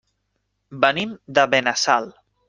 Venim de Benassal.